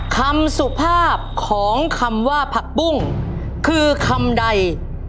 คำสุภาพของคำว่าผักปุ้งคือคำใด